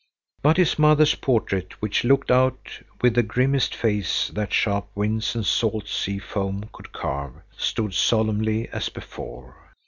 But his mother's portrait, which looked out with the grimmest face that sharp winds and salt sea foam could carve, stood solemnly as before.